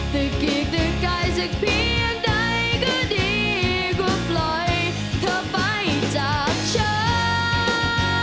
เถอะเกี๊ยดเถอะใกล้ซักเพียงใดก็ดีควรปล่อยเธอไปจากฉัน